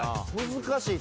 難しい。